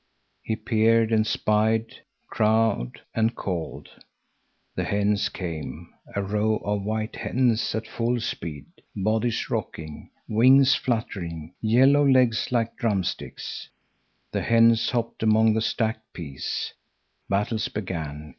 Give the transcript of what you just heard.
He peered and spied, crowed and called. The hens came, a row of white hens at full speed, bodies rocking, wings fluttering, yellow legs like drumsticks. The hens hopped among the stacked peas. Battles began.